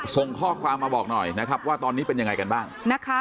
ส่งข้อความมาบอกหน่อยนะครับว่าตอนนี้เป็นยังไงกันบ้างนะคะ